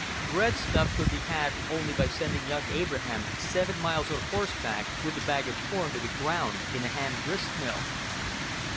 Breadstuff could be had only by sending young Abraham seven miles on horseback with a bag of corn to be ground in a hand grist mill.